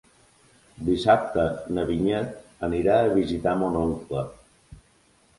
Dissabte na Vinyet anirà a visitar mon oncle.